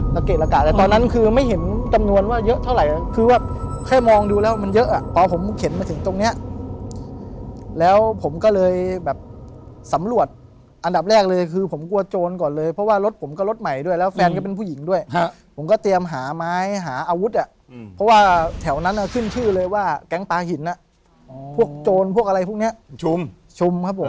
เกะระกะแต่ตอนนั้นคือไม่เห็นจำนวนว่าเยอะเท่าไหร่คือว่าแค่มองดูแล้วมันเยอะอ่ะพอผมเข็นมาถึงตรงเนี้ยแล้วผมก็เลยแบบสำรวจอันดับแรกเลยคือผมกลัวโจรก่อนเลยเพราะว่ารถผมก็รถใหม่ด้วยแล้วแฟนก็เป็นผู้หญิงด้วยผมก็เตรียมหาไม้หาอาวุธอ่ะเพราะว่าแถวนั้นขึ้นชื่อเลยว่าแก๊งปลาหินพวกโจรพวกอะไรพวกนี้ชุมชุมครับผม